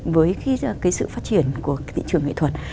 với cái sự phát triển của thị trường nghệ thuật